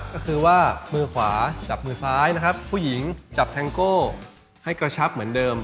ก็คือว่ามือขวาจับมือซ้ายนะครับผู้หญิงจับแทงโก้ให้กระชับเหมือนเดิม